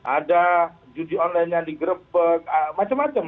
ada judi online yang digrebek macem macem